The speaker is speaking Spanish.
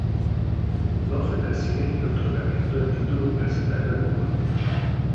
No se persigue el otorgamiento de título universitario alguno.